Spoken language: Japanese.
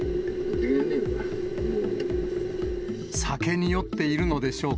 酒に酔っているのでしょうか。